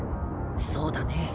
そうだね。